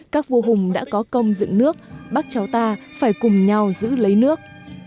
các vua hùng đã có công dựng nước bác cháu ta phải cùng nhau giữ lấy nước